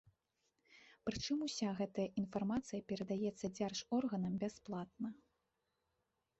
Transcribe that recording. Прычым уся гэтая інфармацыя перадаецца дзяржорганам бясплатна.